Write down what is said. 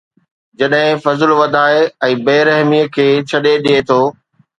جڏهن فضل وڏائي ۽ بي رحمي کي ڇڏي ڏئي ٿو